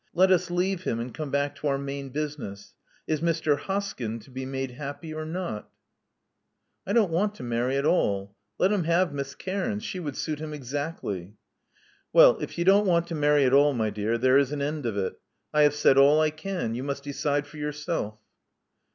Let us leave him and come back to our main business. Is Mr. Hoskyn to be made happy or not?" 3o6 Love Among the Artists •*I don't want to marry at all. Let him have Miss Caims: she would suit him exactly." *'Well, if you don't want to marry at all, my dear, there is an end of it. I have said all I can. You must decide for yourself."